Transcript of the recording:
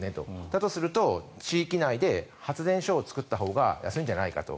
だとすると、地域内で発電所を作ったほうが安いんじゃないかと。